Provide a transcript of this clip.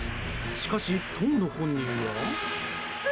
しかし、当の本人は。